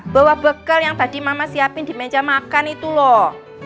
bawa bekal yang tadi mama siapin di meja makan itu loh